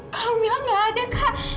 kalau bilang gak ada kak